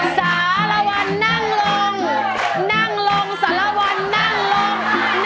สารวรณนั่งลงนั่งลงสารวรณนั่งล้มนั่งล้ม